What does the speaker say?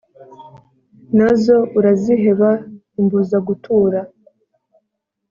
Nazo uraziheba umbuza gutura